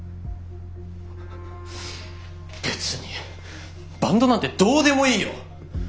別にバンドなんてどうでもいいよ。